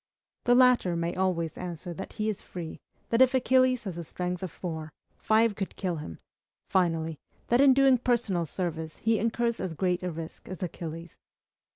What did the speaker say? The latter may always answer that he is free; that if Achilles has a strength of four, five could kill him; finally, that in doing personal service he incurs as great a risk as Achilles.